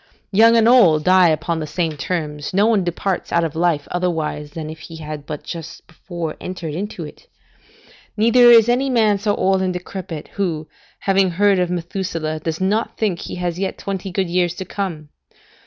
Young and old die upon the same terms; no one departs out of life otherwise than if he had but just before entered into it; neither is any man so old and decrepit, who, having heard of Methuselah, does not think he has yet twenty good years to come.